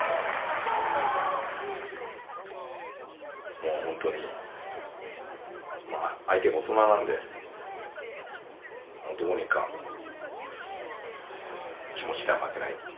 もう本当に相手が大人なんでどうにか気持ちでは負けないっていう。